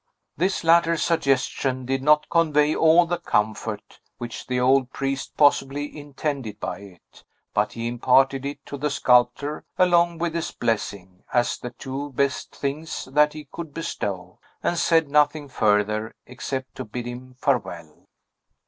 This latter suggestion did not convey all the comfort which the old priest possibly intended by it; but he imparted it to the sculptor, along with his blessing, as the two best things that he could bestow, and said nothing further, except to bid him farewell.